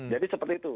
jadi seperti itu